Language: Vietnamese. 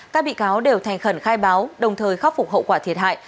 các bị cáo đều thành khẩn khai báo đồng thời khắc phục hậu quả thiệt hại